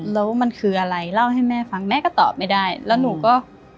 แล้วมันคืออะไรเล่าให้แม่ฟังแม่ก็ตอบไม่ได้แล้วหนูก็